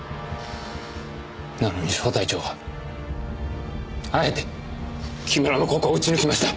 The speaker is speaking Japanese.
なのに小隊長はあえて木村のここを撃ち抜きました。